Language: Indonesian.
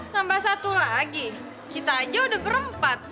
nambah satu lagi kita aja udah berempat